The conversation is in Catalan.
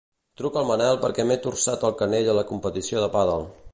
Truca al Manel perquè m'he torçat el canell a la competició de pàdel.